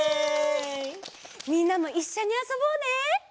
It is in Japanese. みんなもいっしょにあそぼうね！